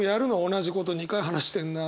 同じこと２回話してんな。